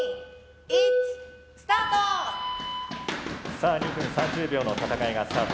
さあ２分３０秒の戦いがスタート。